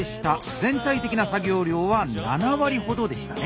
全体的な作業量は７割ほどでしたね。